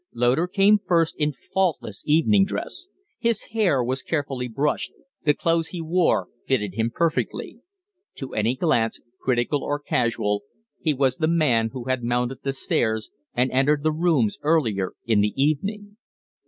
Loder came first, in faultless evening dress. His hair was carefully brushed, the clothes he wore fitted him perfectly. To any glance, critical or casual, he was the man who had mounted the stairs and entered the rooms earlier in the evening.